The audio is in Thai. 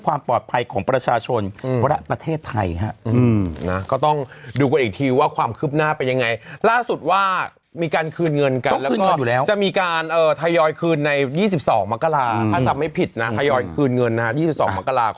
ถ้าทรัพย์ไม่ผิดนะไทยอยคืนเงินนะคะ๒๒มกราคมนะคะ